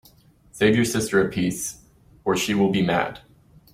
Save you sister a piece, or she will be mad.